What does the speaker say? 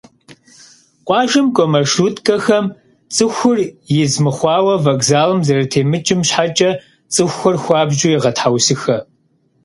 Къуажэм кӏуэ маршруткэхэм цӏыхур из мыхъуауэ вокзалым зэрытемыкӏым щхьэкӏэ цӏыхухэр хуабжьу егъэтхьэусыхэ.